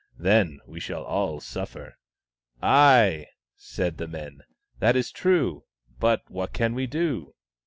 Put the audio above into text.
Then we shall all suffer." " Ay," said the men. " That is true. But what can we do